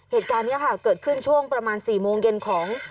เหตุการณ์นี้ค่ะเกิดขึ้นช่วงประมาณ๔โมงเย็นของ